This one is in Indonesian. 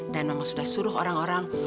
dan mama sudah suruh orang orang